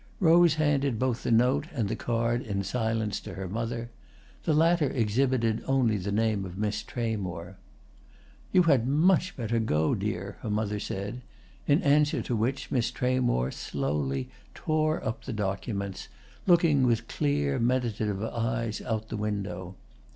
Rose handed both the note and the card in silence to her mother; the latter exhibited only the name of Miss Tramore. "You had much better go, dear," her mother said; in answer to which Miss Tramore slowly tore up the documents, looking with clear, meditative eyes out of the window.